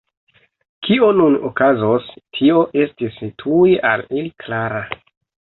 Kio nun okazos, tio estis tuj al ili klara.